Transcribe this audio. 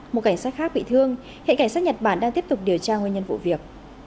một cảnh sát khác bị thương hiện cảnh sát nhật bản đang tiếp tục điều tra nguyên nhân vụ việc